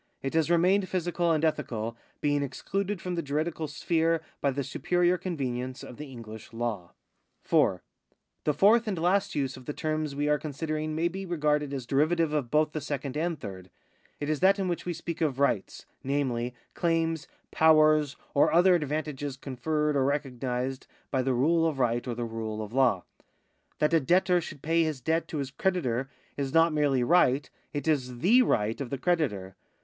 It has remained physical and ethical, being excluded from the juridical sphere by the superior convenience of the EngUsh Imv. 4. The fourth and last use of the terms we are considering may be regarded as derivative of both the second and third. It is that in which we speak of rights, namely, claims, powers, or other advantages conferred or recognised by the rule of right or the rule of law. That a debtor should pay his debt to his creditor is not merely right, it is the right of the creditor.